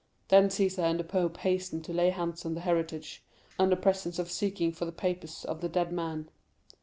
"Then Cæsar and the pope hastened to lay hands on the heritage, under pretense of seeking for the papers of the dead man.